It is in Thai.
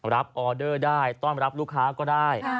ออเดอร์ได้ต้อนรับลูกค้าก็ได้